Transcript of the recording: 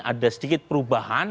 ada sedikit perubahan